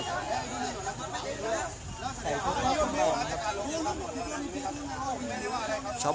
ต้านรอขึ้นมาเลยนะครับ